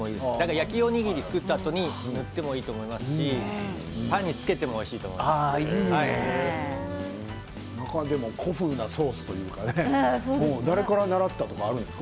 焼きおにぎりを作ったあとに塗ってもいいと思いますし古風なソースというか誰かから習ったとかあるんですか。